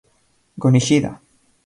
Go Nishida